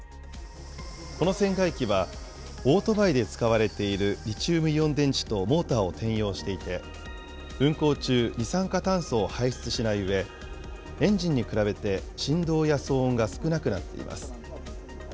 この船外機は、オートバイで使われているリチウムイオン電池とモーターを転用していて、運航中、二酸化炭素を排出しないうえ、エンジンに比べて振動や騒音が少なくなっています。